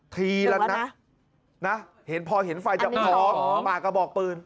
ทีละนัดนะพอเห็นไฟจะออกปากกระบอกปืน